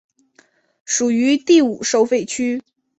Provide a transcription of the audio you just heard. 属于第五收费区。